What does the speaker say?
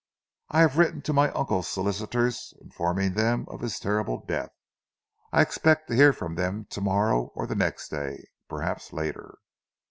I have written to my uncle's solicitors informing them of his terrible death. I expect to hear from them to morrow or the next day perhaps later."